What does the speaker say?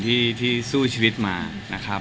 ที่สู้ชีวิตมานะครับ